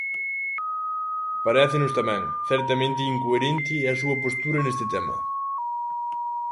Parécenos tamén, certamente incoherente a súa postura neste tema.